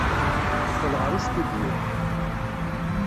Teqqel ɣer ustidyu.